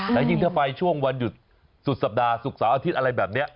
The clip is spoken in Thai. และยิ่งถ้าไปช่วงวันหยุดสุดสัปดาห์ศุกร์เสาร์อาทิตย์อะไรแบบนี้